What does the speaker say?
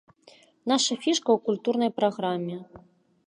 Наша фішка ў культурнай праграме.